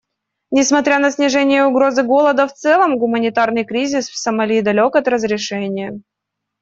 Несмотря на снижение угрозы голода в целом, гуманитарный кризис в Сомали далек от разрешения.